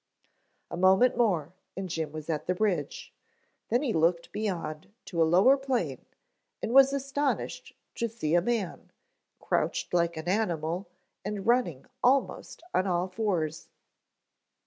A moment more and Jim was at the bridge, then he looked beyond to a lower plain and was astonished to see a man, crouched like an animal and running almost on all fours.